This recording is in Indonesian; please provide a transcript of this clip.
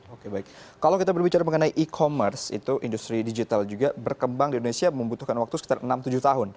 oke baik kalau kita berbicara mengenai e commerce itu industri digital juga berkembang di indonesia membutuhkan waktu sekitar enam tujuh tahun